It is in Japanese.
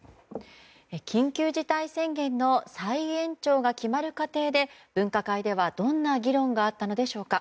緊急事態宣言の再延長が決まる過程で分科会ではどんな議論があったのでしょうか。